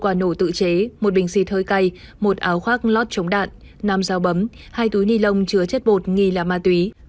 một quả nổ tự chế một bình xịt hơi cay một áo khoác lót chống đạn năm dao bấm hai túi ni lông chứa chất bột nghi là ma túy